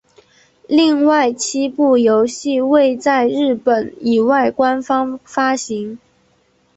另外七部游戏未在日本以外官方发行。